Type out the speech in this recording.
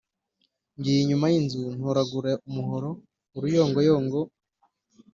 Ngiye inyuma y'inzu ntoragura umuhoro-Uruyongoyongo.